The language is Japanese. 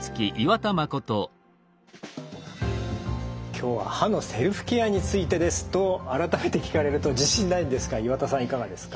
今日は歯のセルフケアについてです。と改めて聞かれると自信ないんですが岩田さんいかがですか？